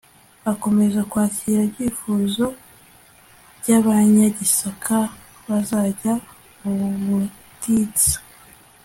akomeza kwakira ibyifuzo by abanyagisaka bazaga ubutitsa